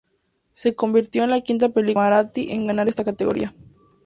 Se convirtió en la quinta película de en maratí en ganar esta categoría.